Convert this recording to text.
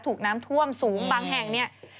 ถูกน้ำท่วมสูงบางแห่งเนี่ย